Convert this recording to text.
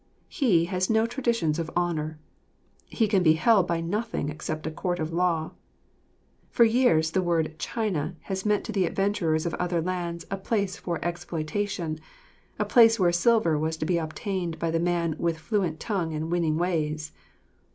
He has no traditions of honour, he can be held by nothing except a court of law. For years the word "China" has meant to the adventurers of other lands a place for exploitation, a place where silver was to be obtained by the man with fluent tongue and winning ways.